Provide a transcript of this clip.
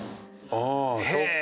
ああそっか。